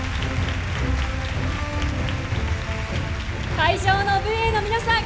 会場の武衛の皆さん